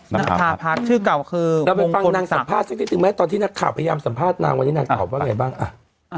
นัคภาพร้อมครับชื่อก่อนคือล้อมบลงคลนนังสัมภาษณ์ซึ่งที่ติดติดไงตลอดที่นักข่าวพยายามสัมภาษณ์นางล็อทนี่นัดข่อนว่าไงบ้างอ่ะอ่ะ